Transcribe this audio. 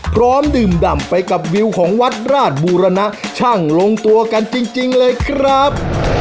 พร้อมดื่มดำไปกับวิวของวัดราชบูรณะช่างลงตัวกันจริงเลยครับ